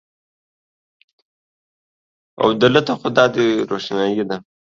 او د لته خو دادی روښنایې ده